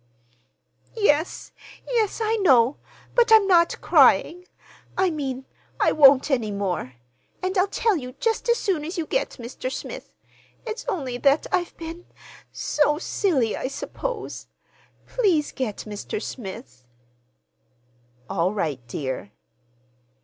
"Yes, yes, I know, but I'm not crying—I mean, I won't any more. And I'll tell you just as soon as you get Mr. Smith. It's only that I've been—so silly, I suppose. Please get Mr. Smith." "All right, dear."